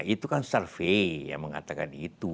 itu kan survei yang mengatakan itu